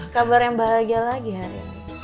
kabar yang bahagia lagi hari ini